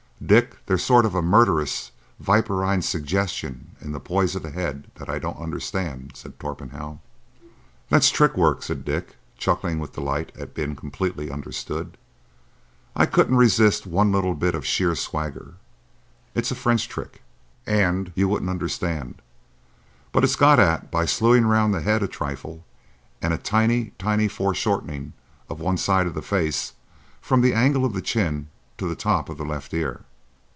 —Dick, there's a sort of murderous, viperine suggestion in the poise of the head that I don't understand," said Torpenhow. That's trick work," said Dick, chuckling with delight at being completely understood. "I couldn't resist one little bit of sheer swagger. It's a French trick, and you wouldn't understand; but it's got at by slewing round the head a trifle, and a tiny, tiny foreshortening of one side of the face from the angle of the chin to the top of the left ear.